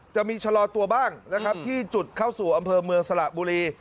จะมีชะลอตัวบ้างนะครับที่จุดเข้าสู่อำเภอเมืองสระบุรี